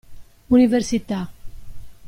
Università.